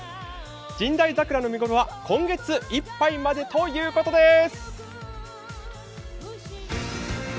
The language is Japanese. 神代桜の見頃は今月いっぱいまでということです。